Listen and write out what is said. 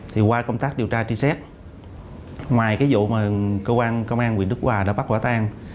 thì qua công tác điều tra trí xét ngoài cái vụ mà công an quỳnh đức hòa đã bắt quả tan